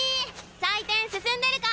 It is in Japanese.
採点進んでるか？